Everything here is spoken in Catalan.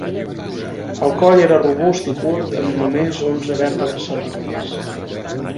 El coll era robust i curt amb només onze vèrtebres cervicals.